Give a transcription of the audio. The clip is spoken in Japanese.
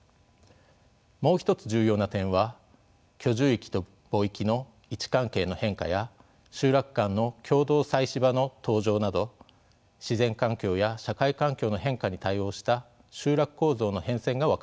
もう一つ重要な点は居住域と墓域の位置関係の変化や集落間の共同祭祀場の登場など自然環境や社会環境の変化に対応した集落構造の変遷が分かることです。